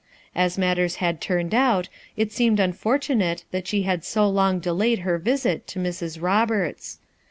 As matters had turned oat it seemed unfortunate, that she had so long delayed her visit to Mrs Roberts.